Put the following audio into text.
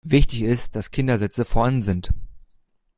Wichtig ist, dass Kindersitze vorhanden sind.